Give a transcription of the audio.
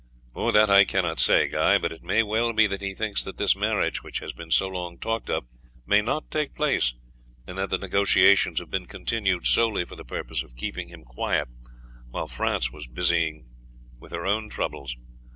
"That I cannot say, Guy; but it may well be that he thinks that this marriage which has been so long talked of may not take place, and that the negotiations have been continued solely for the purpose of keeping him quiet while France was busied with her own troubles.